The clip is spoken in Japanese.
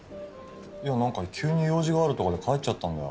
いや何か急に用事があるとかで帰っちゃったんだよ。